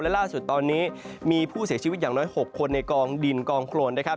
และล่าสุดตอนนี้มีผู้เสียชีวิตอย่างน้อย๖คนในกองดินกองโครนนะครับ